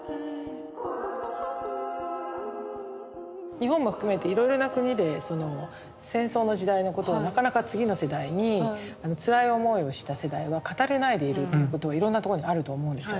日本も含めていろいろな国で戦争の時代のことをなかなか次の世代につらい思いをした世代は語れないでいるってことがいろんなところにあると思うんですよね。